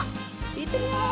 いってみよう！